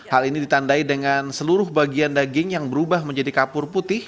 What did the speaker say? hal ini ditandai dengan seluruh bagian daging yang berubah menjadi kapur putih